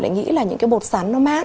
lại nghĩ là những cái bột sắn nó mát